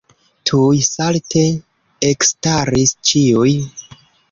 Tuj salte ekstaris ĉiuj.